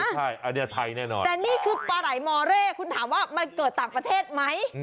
ใช่อันนี้ไทยแน่นอนแต่นี่คือปลาไหลมอเร่คุณถามว่ามันเกิดต่างประเทศไหม